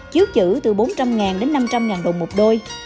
chiếu chữ từ bốn trăm linh đến năm trăm linh đồng một đôi